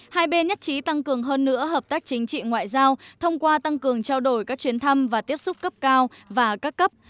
hai bên nhất trí tăng cường hơn nữa hợp tác chính trị ngoại giao thông qua tăng cường trao đổi các chuyến thăm và tiếp xúc cấp cao và các cấp